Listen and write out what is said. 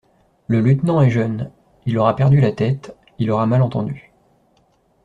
Le lieutenant est jeune ; il aura perdu la tête, il aura mal entendu.